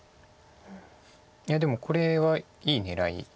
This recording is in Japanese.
いやでもこれはいい狙いです。